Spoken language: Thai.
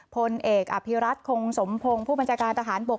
พลเอกอภิรัตคงสมพงศ์ผู้บัญชาการทหารบก